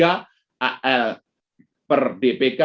dan yang terakhir adalah kondisi likuiditas perbankan yang terakhir